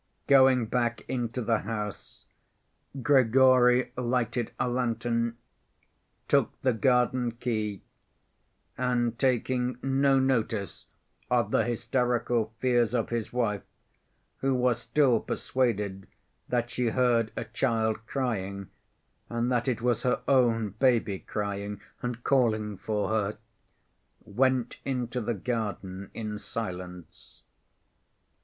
Going back into the house, Grigory lighted a lantern, took the garden key, and taking no notice of the hysterical fears of his wife, who was still persuaded that she heard a child crying, and that it was her own baby crying and calling for her, went into the garden in silence.